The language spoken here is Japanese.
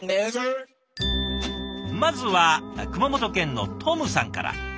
まずは熊本県の吐夢さんから。